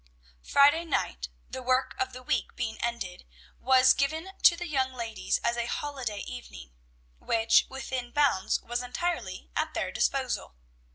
Friday night, the work of the week being ended, was given to the young ladies as a holiday evening, which, within bounds, was entirely at their disposal.